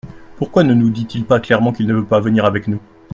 Pourquoi ne nous dit-il pas clairement qu’il ne veut pas venir avec nous ?